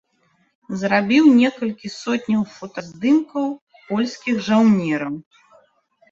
Зрабіў некалькі сотняў фотаздымкаў польскіх жаўнераў.